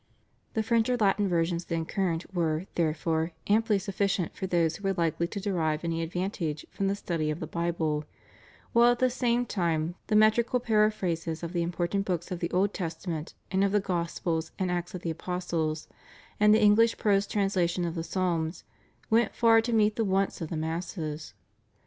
The French or Latin versions then current were, therefore, amply sufficient for those who were likely to derive any advantage from the study of the Bible, while at the same time the metrical paraphrases of the important books of the Old Testament and of the Gospels and Acts of the Apostles, and the English prose translation of the Psalms, went far to meet the wants of the masses.